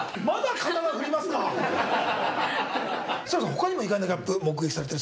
他にも意外なギャップ目撃されてるそうですよ。